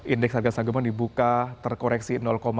indeks harga saham gabungan dibuka terkoreksi